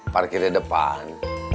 parkir di depan